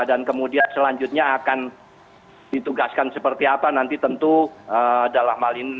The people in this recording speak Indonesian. dan kemudian selanjutnya akan ditugaskan seperti apa nanti tentu dalam hal ini